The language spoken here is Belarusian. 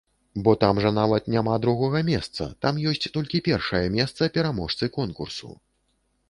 Бо там жа нават няма другога месца, там ёсць толькі першае месца пераможцы конкурсу.